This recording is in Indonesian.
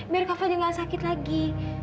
biar kak fadil enggak sakit lagi